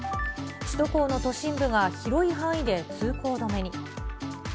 首都高の都心部が広い範囲で通行止めに。